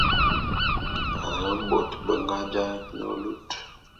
Ane bôt be nga jaé ne lut.